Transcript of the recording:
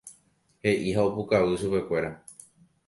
he'i ha opukavy chupekuéra.